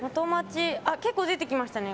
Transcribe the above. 結構出てきましたね。